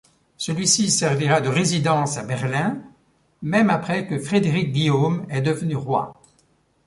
Celui-ci servira de résidence à Berlin, même après que Frédéric-Guillaume est devenu roi.